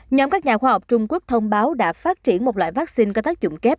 nhóm các nhà khoa học trung quốc thông báo đã phát triển một loại vaccine có tác dụng kép